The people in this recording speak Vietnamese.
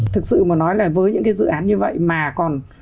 thực sự mà nói là với những cái dự án như vậy mà còn